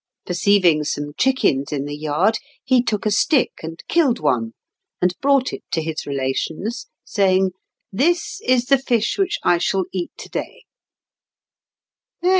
Perceiving some chickens in the yard, he took a stick and killed one, and brought it to his relations, saying, "This is the fish which I shall eat to day."